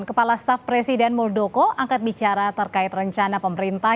kepala staf presiden muldoko angkat bicara terkait rencana pemerintah